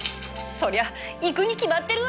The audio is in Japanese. そりゃいくに決まってるわ！